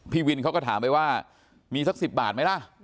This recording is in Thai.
พี่วินเขาก็ถามไปว่ามีสัก๑๐บาทไหมล่ะ